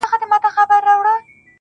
اوس پير شرميږي د ملا تر سترگو بـد ايـسو,